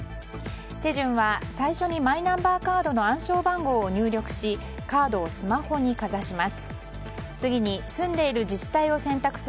手順は最初にマイナンバーカードの暗証番号を入力しカードをスマホにかざします。